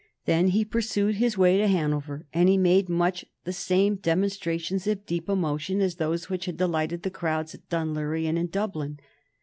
Then he pursued his way to Hanover, and he made much the same demonstrations of deep emotion as those which had delighted the crowds at Dunleary and in Dublin.